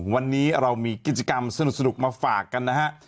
วันนี้เรามีกิจกรรมสนุกมาฝากกันนะฮะ